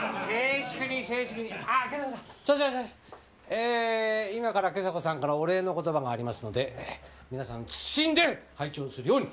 えー今から今朝子さんからお礼の言葉がありますので皆さん謹んで拝聴するように。